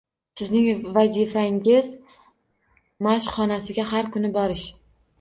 Sizning vazifangiz mashq xonasiga har kuni boorish